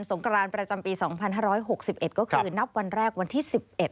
งกรานประจำปี๒๕๖๑ก็คือนับวันแรกวันที่๑๑